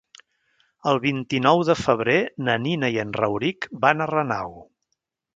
El vint-i-nou de febrer na Nina i en Rauric van a Renau.